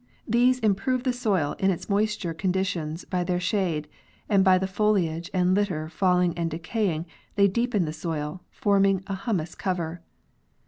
These improve the soil in its moisture conditions by their shade, and by the foliage and litter falling and decay ing they deepen the soil, forming a humus cover.